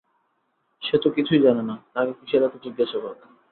সে তো কিছুই জানে না, তাকে কিসের এত জিজ্ঞাসাবাদ!